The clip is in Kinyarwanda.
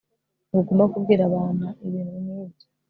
Ntugomba kubwira abana ibintu nkibyo